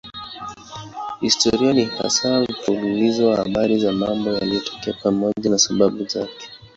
Historia ni hasa mfululizo wa habari za mambo yaliyotokea pamoja na sababu zake.